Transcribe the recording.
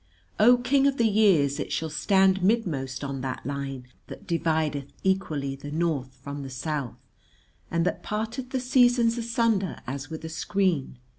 "O King of the Years, it shall stand midmost on that line that divideth equally the North from the South and that parteth the seasons asunder as with a screen.